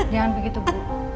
jangan begitu bu